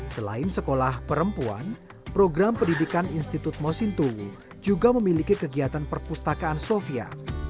selain sekolah perempuan program pendidikan institut mosintowo juga memiliki kegiatan perpustakaan sofia